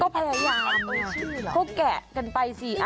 ก็พยายามก็แกะกันไปสิ